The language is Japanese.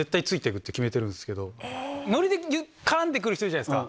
ノリで絡んでくる人いるじゃないですか。